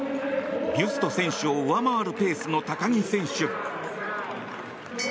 ビュスト選手を上回るペースの高木選手。